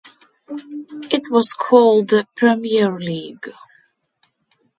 It was called the "Premier League".